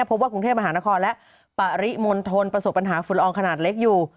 พบว่าคุณเทพมหานครและปริมนต์โทนประสบปัญหาฝุ่นรองขนาดเล็กอยู่